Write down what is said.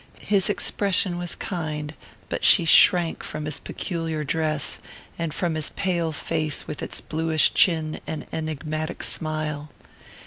His expression was kind, but she shrank from his peculiar dress, and from his pale face with its bluish chin and enigmatic smile.